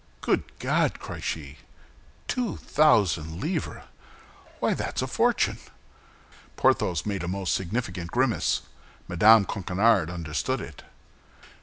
"Good God!" cried she, "two thousand livres! Why, that is a fortune!" Porthos made a most significant grimace; Mme. Coquenard understood it.